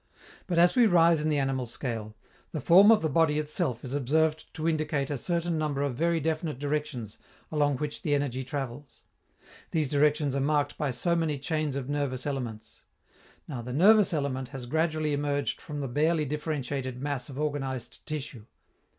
But, as we rise in the animal scale, the form of the body itself is observed to indicate a certain number of very definite directions along which the energy travels. These directions are marked by so many chains of nervous elements. Now, the nervous element has gradually emerged from the barely differentiated mass of organized tissue.